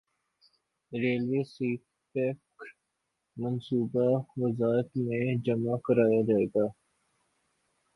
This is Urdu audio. ریلوے سی پیک منصوبہ وزارت میں جمع کرایا جائے گا